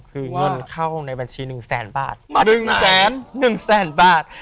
คือเงินเข้าในบัญชี๑๐๐๐๐๐บาท๑๐๐๐๐๐๑๐๐๐๐๐บาท